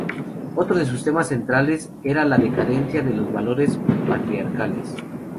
Otro de sus temas centrales era la decadencia de los valores patriarcales.